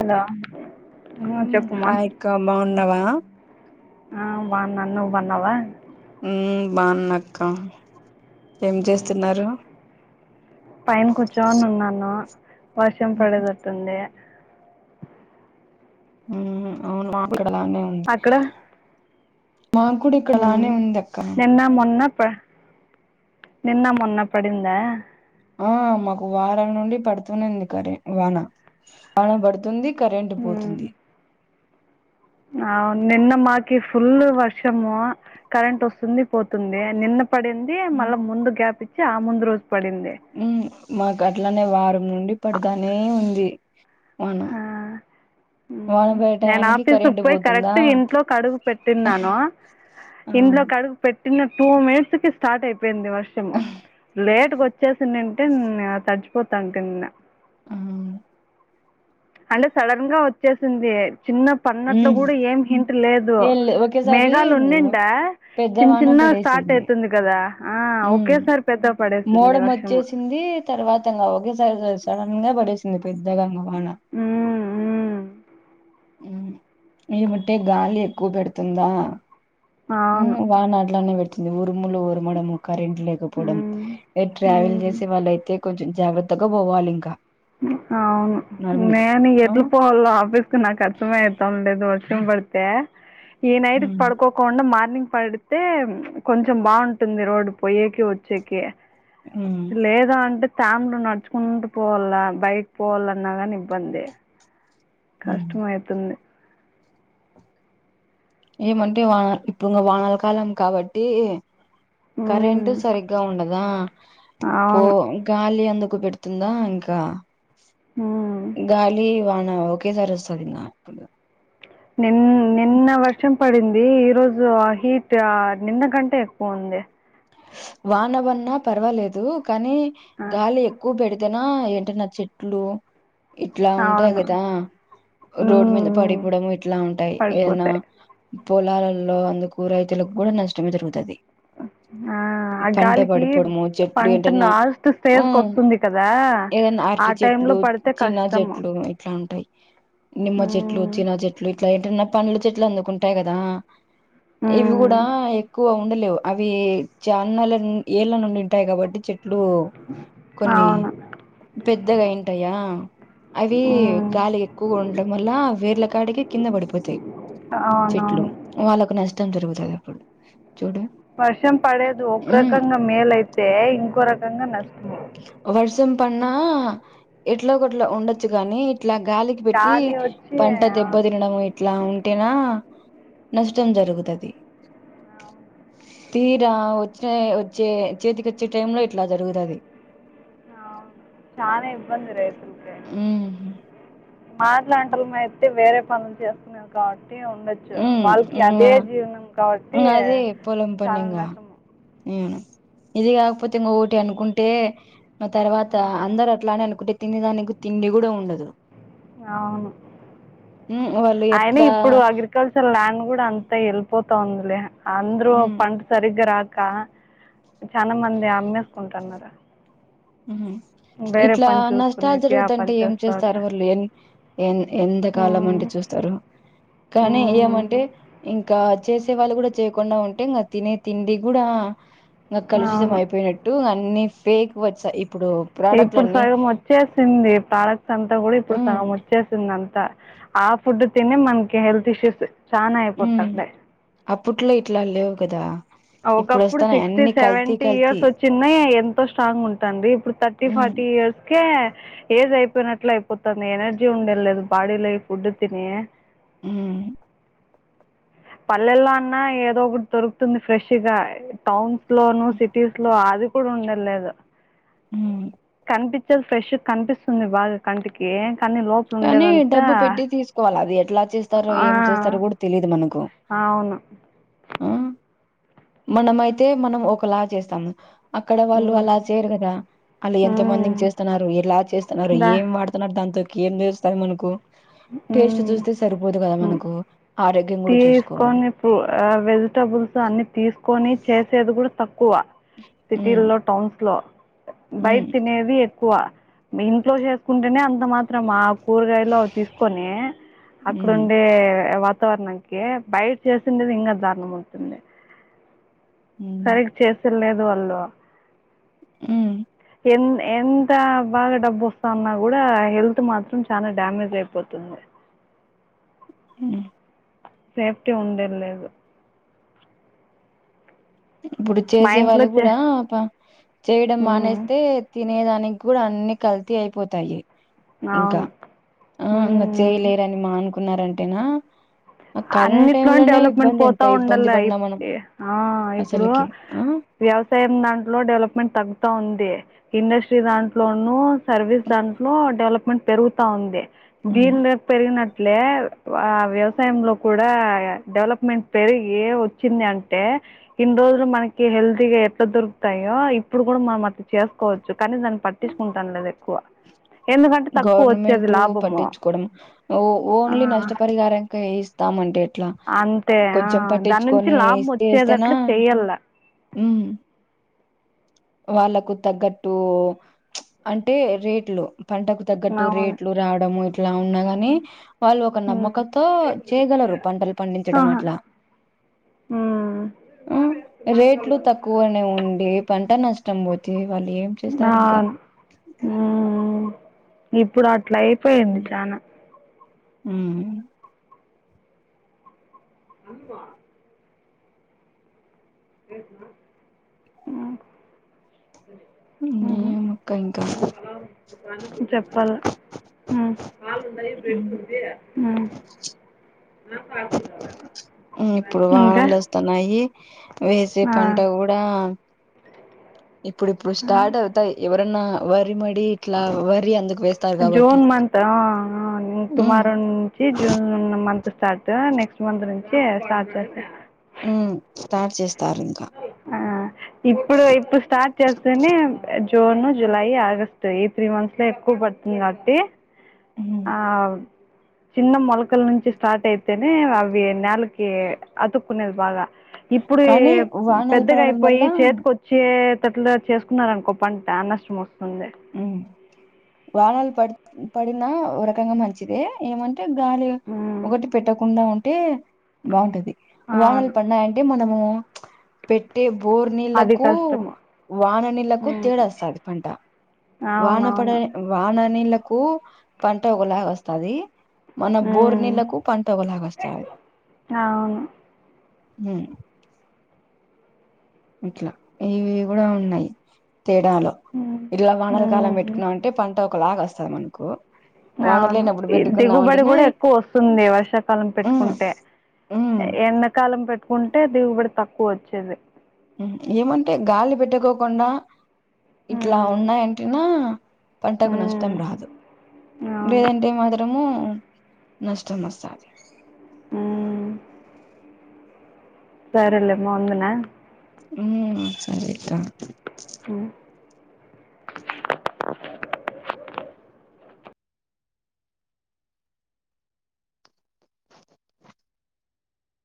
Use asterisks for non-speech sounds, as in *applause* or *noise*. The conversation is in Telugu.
హలో చెప్పుమా హాయి అక్క బాగున్నావా ఆ బాగున్నాను నువ్వు బాగున్నావా మ్మ్ బాగున్నక్క ఏం ఉమ్. చేస్తున్నారు పైన కూర్చోని ఉన్నాను వర్షం పడేతటు ఉంది మ్మ్ అవును మాకు కూడా అలానే ఉంది మాకు ఇక్కడ హ్మ్ అక్క నిన్న మొన్న నిన్న మొన్న పడిందా ఆ మాకు వారం నుండి పడుతునే ఉంది కరే వాన వాన పడుతుంది కరెంట్ పోతుంది ఆ నిన్న మాకి ఫుల్ వర్షము కరెంట్ వస్తుంది పోతుంది నిన్న పడింది మళ్ళ ముందు గ్యాప్ ఇచ్చి ఆ ముందు రోజు పడింది ఉమ్ మాకు అట్లనే వారం నుండి పడతానే ఉంది అవునా ఆ, నేను ఆఫీసుకి పోయి కరెక్ట్ ఇంట్లోకడుగు పెట్టిన్నాను ఆ ఇంట్లో కడుగు పెట్టిన టూ మినిట్స్ కి స్టార్ట్ అయిపోయింది వర్షము లేట్గా వచ్చేసినింటేన్ అ తడిచిపోతాంటే నిన్న ఆహ అంటే సడన్ గా వచ్చేసింది చిన్న పన్నట్లు హ్మ్ కూడా ఏం హిట్ లే దు ఏం లే ఒకేసారి మేఘాలు ఉనిండా పెద్ద చిన్న వాన చిన్న స్టార్ట్ అయితుంది కదా ఒకేసారి పెద్దగా పడేసింది మూడం వర్షము వచ్చేసింది తర్వాత ఇంగ ఒకేసారి సడన్గా పడసింది ఇంగా పెద్దగా వాన మ్మ్ మ్మ్ ఏముంటే గాలి ఎక్కువ పెడుతుందా అవును వానాట్లానే పెడుతుంది ఊరు ములు ఉరమడము కరెంట్ లేకపోవడం మ్మ్ ఎ ట్రావెల్ మ్మ్ చేసే వాళ్ళయితే కొంచెం జాగ్రత్తగా పోవాలింకా అవును నేను ఆ ఎటు పోవాల్లో ఆఫీస్ కి నాకు అర్థమే అయితాం లేదు ర్షం పడితే ఈ నైట్ ఉమ్ పడుకోకుండా మార్నింగ్ పడితే కొంచెం బాగుంటుంది రోడ్ పోయేకి వచ్చేకి ఉమ్ లేదా అంటే తాముడు నడుచుకుంటూ పోవాలా బైక్ పోవాలన్నా గాని ఇబ్బందే ఉమ్ కష్టం అయితుంది ఏమంటే వాన ఇప్పుడున్న వానాల కాలం కాబట్టి కరెంట్ హ్మ్. సరిగ్గా ఉండదా పో అవును. గాలి అందుకు కు పెడుతుందా ఇంకా హ్మ్. గాలి వా నా ఓకే సారి వస్తది ఇంగా అప్పుగా నిన్ నిన్ నిన్న వర్షం పడింది ఈ రోజు ఆ హీట్ నిన్న కంటే ఎక్కువుంది వానవున్నా పర్వాలేదు కానీ ఆ! గాలి ఎక్కువ పెడ్ తెనా ఏటన్నా చెట్లు ఇట్లా ఉంటాయి అవును కదా ఉమ్ రోడ్డు మీద ఉమ్ పడిపోవడం ఇట్లా ఉంటాయి ఏదన్న పడిపోతాయి పొలాల్లో అందుకు రైతులకు కూడా నష్టమే జరుగుతది ఆ ఆ పంట గాలికి పడిపోవడము చెట్లు పంట ఏంటన్నా లాస్ట్ ఉ స్టేజ్ కస్తుంది కదా ఆ టైం ట్లు చిన్న చెట్లు ఇట్లా ఉంటాయి నిమ్మ చెట్లు ఉమ్ చిన చెట్లు ఇట్లా ఏటన్నా పండ్లు చెట్లు అందుకుంటాయి కదా ఇవి ఉమ్ కూడా ఎక్కువ ఉండలేవు అ వి చన్నల ఏళ్ళ నుండి ఉంటాయి కాబట్టి చెట్లు అవును పెద్దగై ఉంటాయా అవి ఉమ్ గాలి ఎక్కువగా ఉండటం వల్ల వేర్ల కాడికి కింద పడిపోతాయి చెట్లు అవునవును వాళ్ళకు నష్టం జరుగుతది అప్పుడు చూడం వర్షం పడేదు ఒక రకంగా మేలైతే ఇంకో రకంగా నష్టం వర్షం పడ్నా ఎట్లా ఒకట్లా ఉండొచ్చు గానీ ఇట్లా గాలికి పెట్టి గాలి వచ్చి పంట అవును దెబ్బ తినడంము ఇట్లా ఉంటేనా నష్టం జరుగుతది. తీరా వచ్చే, వచ్చే చేతికోచ్చే టైమ్ లో ఇట్లా జరుగుతది. అవును చానా ఇబ్బంది రైతుల్ కి. ఉమ్ మాట్లా *unintelligible* అయితే వేరే పనులు చేస్తున్నార్ కా. *unintelligible* టి ఉండొచ్చు. ఉమ్ వాళ్ళకి ఇంగ అదే జీవనం కాబట్టి చాలా నష్టం. ఉమ్మ్ ఇది కాకపోతే ఇంగోటి అనుకుంటే, ఆ తర్వాత అందరు అట్లా అనే అనుకుంటే తినేదానికి, తిండి గుడా ఉండదు. అవును, ఉమ్ వాళ్ళు అయిన ఎట్లా ఇప్పుడు అగ్రికల్చ్ రాల్ ల్యాండ్ గుడా అంతా వెళ్ళిపోతా ఉందిలే. అంద్రూ ఉమ్ పంట సరిగ్గా రాక్ కా, చానా మంది అమ్మేసుకుంటున్నారు. ఉహు వేరే ఇట్లా పని నష్టాలు చూసుకునేకి ఆ జరుగుతుంటే పని ఏం చేస్తూ చేస్తారు వాళ్ళు, ఎన్, ఎన్ ఎంతకాలం అంటే చూస్త్ తారు. కానీ ఏమంటే ఇంకా చేసే వాళ్ళు గుడా చేయకుండా ఉంటే, ఇంగా తినే తిండి గుడా ఇంగా కలుషితం అవును అయిపోయినట్టు. అన్ని పేక్ వచ్చాయి ఇప్ ఇప్పుడు సగం ఓచ్చేసింది, ప్రోడక్ట్స్ అంతా గుడా ఇప్పుడు ఉమ్ సగం వచ్చేసింది అంతా. ఆ ఫుడ్ తిని, మనకి హెల్త్ ఇష్యూస్ చానా అయిపోతంది. పుట్లో, ఇట్లా లేవ్ కదా. ఇప్పుడు ఒకప్పుడు వస్తానయి సిక్స్టీ, అన్ని కల్తీ సెవెంటీ కల్తీ ఇయర్స్ ఓచ్చునయి ఎంతో స్ట్రాంగ్ గా ఉంటంది. ఇప్పుడు థర్టీ, ఉమ్ ఫార్ టీ ఇయర్స్ కే ఏజ్ అయిపోయినట్లు అయిపోతాంది. ఎనర్జీ ఉండేద్ లేదు బాడీలో ఈ ఫుడ్ తిని. ఉమ్మ్ పల్లెల్లో అన్నా ఏదో ఒకటి దొరుకుతుంది ఫ్రెష్గా, టౌన్ స్ లోను, సిటీస్ లో అది కూడా ఉండంలేదు. హుమ్మ్ కనిపించేది, ఫ్రెష్ గా కనిపిస్తుంది బాగా కంటికి. కానీ లోపల కానీ ఉండేదంతా డబ్బు పెట్టి తీసుకోవాలా అది, ఎట్లా చేస్తారో, ఆ ఏం చేస్తారో కూడా తెలిదు మనకు. అవును. మనం అయితే మనం ఒకలా చేస్తాము. అక్కడ వాళ్ళు హ్మ్ అలా చేయరు కదా. ఆళ్ళు ఎంత మందికి హ్మ్ చేస్తున్నారు, ఇలా చేస్తున్నారు, దా ఏం వాడుతున్నారు దాంతోకి ఏం చేస్తారు మనకు. టేస్ట్ హ్మ్ చూస్తే సరిపోదు గదా మనకు, ఆరోగ్యం గుడా చూసుకోవాలి. వెజిటెబుల్స్ అన్ని, తీసుకొని చేసేది గుడా తక్ క్కువ ఉమ్ సిటీల్లో, టౌన్స్ లో, ఉమ్ బయట్ తినేది ఎక్కువ. మీ ఇంట్లో చేసుకుంటేనే అంత మాత్రం, ఆ కూరగాయలు అవి తీస్ కొని, ఉమ్ అక్కడుండే వాట్ వాతావరణానికి, బయట చేసిండిది ఇంకా దారుణం ఉంటుంది. ఉమ్ సరిగ్ చేస్త్ లేదు వాళ్ళు. ఉమ్ ఎన్, ఎంత బాగా డబ్బు వస్తాన్నా గుడా, హెల్త్ మాత్రం చాలా డ్యామేజ్ అయిపోతుంది. ఉమ్ సేఫ్టీ ఉండేద్ లేదు. ఇప్పుడు మా చేసే వాళ్ళు ఇంట్లో చే గుడా, పం చేయడం మానేస్తే తిన్ నేదానికి గుడా అన్ని కల్తీ అయిపోతాయి. ఇంకా, ఆ ఇంగా అవును చేయలేరని మానుకున్నారంటేనా. కరోనా టైమ్ అన్నిట్లోనే లోనే డెవలప్మెంట్ ఇబ్బంది ఎంత పోతా ఇబ్బంది ఉండాల పడినా ఇప్ మనం ఆ ఇప్ ఇప్పుడు అసలుకి ఆ వ్యవసాయం దాంట్లో డెవలప్మెంట్ తగ్గుతా ఉంది ఇండస్ట్ టీ దాంట్లోనూ సర్వీస్ దాంట్లోను డెవలప్మెంట్ పెరుగుతా ఉంది ఉమ్. దీనిలో పెరిగినట్లే ఆ వ్యవసాయమ్ లో కూడా డెవలప్మెంట్ పెరిగి వచ్చింది అంటే ఇన్ని రోజులు మనకి హెల్దీగా ఎట్లా దొరుకుతాయో ఇప్పుడు కూడా మనం అది చేసుకోవచ్చు కానీ దాన్ని పట్టించుకుంటాను లేదు ఎక్కువ ఎందుకంటే తక్కువ వచ్చేది గవర్నమెంట్ లాభము పట్టించుకోవడంఓ ఓన్లీ నష్టపరిహారంగా వస్త స్తామంటే ఎట్లా అంతే ఆ కొంచెం దాని నుంచి పట్టించుకొని లాభం ఇస్తే ఇస్తేనా వచ్చేటట్లు చెయ్యాల హ్మ్మ్ వాళ్ళకు తగ్గట్టు, అంటే రేట్లు పంటకు తగ్గట్టు అవును రేట్లు రావడము ఇట్ అట్లా ఉన్నా గాని వాళ్ళు ఒక మ్మ్ నమ్మకంతో చేయగలరు పంటలు పండించడం ఆహా అట్లా మ్మ్ హ్మ్ రేట్లు తక్కువనే ఉండి పంట నష్టం పోతే వాళ్ళు ఏం చేస్తారు ఇంకా నాల్ హ్మ్మ్ ఇప్పుడు అట్లా అయిపోయింది చానా హ్మ్ *unintelligible* అ ఉమ్ ఉహు ఏమక్క ఇంకా చెప్పాల *unintelligible* ఆ ప్రజ ఇప్పుడు వానలు వస్తన్నాయి వేసే ఆ పంట కూడా ఇప్పుడుప్పుడు ఆ. స్టార్ట్ అవుతాయి ఎవరన్నా వరి మడి ఇట్లా వరి అందు జూన్ మంత్ ఆ ఉమ్ టుమారో నుంచి June month start next month నుంచి స్టార్ట్ చేస్తా హ్మ్ స్టార్ట్ చేస్ ఆ ఇప్పుడు ఇప్పుడు స్టార్ట్ చేస్తేనే జూన్ జులై ఆగస్టు ఈ త్రీ మంత్స్ లో ఎక్కువ పడుతుంది కాబట్టి ఆ చిన్న మొలకల నుంచి స్టార్ట్ అయితేనే అవి నెలకి అతుకునేది బాగా ఇప్పుడు కానీ వానలు పెద్దగా పడడం అయిపోయి వల్ల చేతికొచ్చే అట్ల చేసుకున్నారనుకో పంట నష్టం వస్తుంది వానాలు పడి పడినా ఒక రకంగా మంచిదే ఏమన్ తే గాలి ఉమ్, ఒకటి పెట్టకుండా ఉంటే బాగుంటది వానలు అవును పన్నయంటే మనం హ్మ్ పెట్టీ ఇప్ బోర్ అది నీళ్ళలకు కష్టము వాన నీళ్ళలకు ఉమ్, తేడా వస్తది పంట వాన పడ అవునవును వాన నీళ్లకు పంట ఒకలాగ వస్తది మన బోర్ ఉమ్, నీళ్లకు పంట ఒకలాగ వస్తా అవును ఉమ్ ఇట్లా ఇవి కూడా ఉన్నాయి తేడాలో ఉమ్, ఇట్లా వానల కాలం ఉమ్. పెట్టుకున్నాం అంటే పంట ఒకలాగ వస్తుంది మనకు వాన అవును లేనప్పుడు ఈ పెట్టుకున్నాం దిగుబడి అంటేనే కూడా ఎక్కువ వస్తుంది వర్షాకాలం ఉమ్ పెట్టుకుంటే ఉమ్ ఎండాకాలం పెట్టుకుంటే దిగుబడి తక్కువ వచ్చేది ఏమంటే గాలి పెట్టకోకుండా ఇట్లా హ్మ్. ఉన్నాయంటెనా పంటకు హ్మ్. నష్టం రాదు, అవును. లేదంటే మాత్రము నష్టమస్తాది ఉమ్ సరేలేమా ఉండనా ఉమ్ సరేకా ఉమ్ *inaudible*